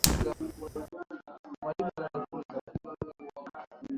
Mwalimu ananifunza.